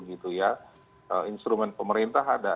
instrumen pemerintah ada